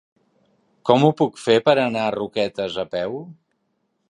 Com ho puc fer per anar a Roquetes a peu?